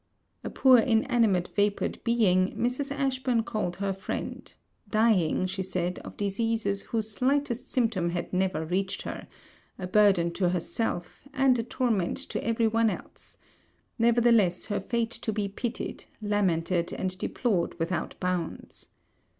A poor inanimate vapoured being, Mrs. Ashburn called her friend; dying, she said, of diseases whose slightest symptom had never reached her, a burden to herself, and a torment to every one else; nevertheless her fate to be pitied, lamented, and deplored without bounds.